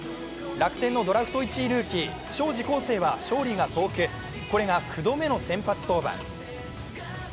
楽天のドラフト１位ルーキー荘司康誠は勝利が遠く、これが９度目の先発登板。